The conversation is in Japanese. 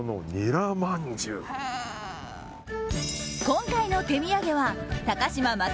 今回の手土産は高嶋政宏